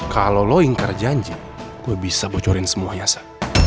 kalo lo ingkar janji gue bisa bocorin semuanya sa